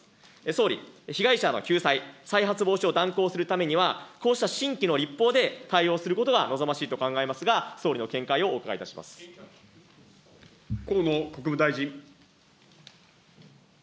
総理、被害者の救済、再発防止を断行するためには、こうした新規の立法で対応することが望ましいと考えますが、総理の見解をお伺河野国務大臣。